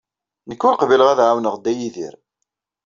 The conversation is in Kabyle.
Nekk ur qbileɣ ad ɛawneɣ Dda Yidir.